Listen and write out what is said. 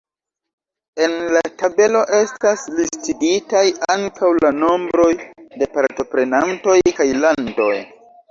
En la tabelo estas listigitaj ankaŭ la nombroj da partoprenantoj kaj landoj.